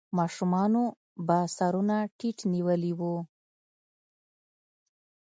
ماشومانو به سرونه ټيټ نيولې وو.